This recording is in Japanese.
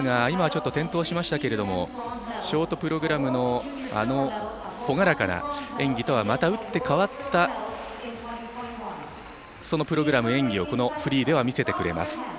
今、ちょっと転倒しましたけどもショートプログラムのあのほがらかな演技とはまた打って変わったプログラム、演技をこのフリーでは見せてくれます。